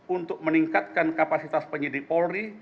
untuk meningkatkan kapasitas penyidik polri